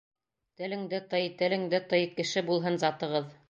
Телеңде тый, телеңде тый, Кеше булһын затығыҙ.